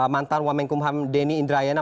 mantan wamenkumham denny indrayana